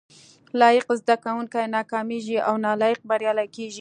لايق زده کوونکي ناکامېږي او نالايق بريالي کېږي